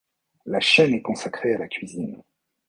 La chaîne est consacrée à la cuisine.